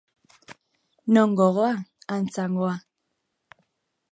Non gogoa, han zangoa.